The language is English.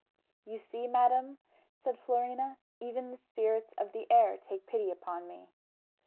"You see, madam," said Florina, "even the spirits of the air take pity upon me."